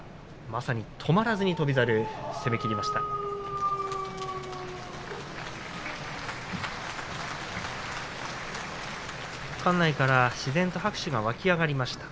まさに止まらずに翔猿攻めきりました。